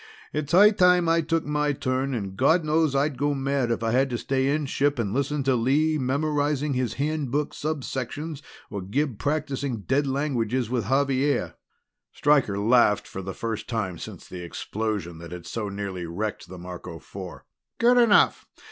"It's high time I took my turn and God knows I'd go mad if I had to stay inship and listen to Lee memorizing his Handbook subsections or to Gib practicing dead languages with Xavier." Stryker laughed for the first time since the explosion that had so nearly wrecked the Marco Four. "Good enough.